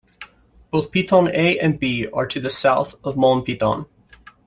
Both Piton A and B are to the south of Mons Piton.